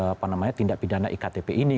apa namanya tindak pidana iktp ini